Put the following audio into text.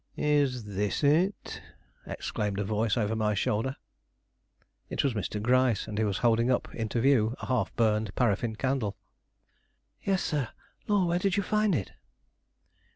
"Is this it?" exclaimed a voice over my shoulder. It was Mr. Gryce, and he was holding up into view a half burned paraffine candle. "Yes, sir; lor', where did you find it?"